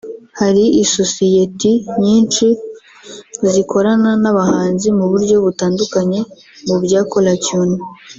Hari isosiyeti nyinshi zikorana n’abahanzi mu buryo butandukanye mu bya caller tune